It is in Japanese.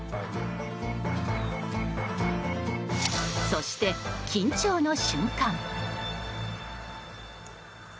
そして、緊張の瞬間。